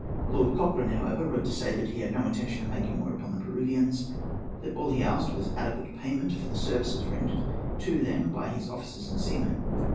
Lord Cochrane, however, wrote to say that he had no intention of making war upon the Peruvians; that all he asked was adequate payment for the services rendered to them by his officers and seamen.